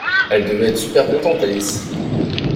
Elle devait être super contente Alice!